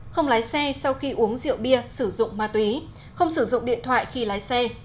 không lái xe sau khi uống rượu bia sử dụng ma túy không sử dụng điện thoại khi lái xe